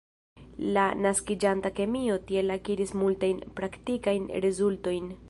La naskiĝanta kemio tiel akiris multajn praktikajn rezultojn.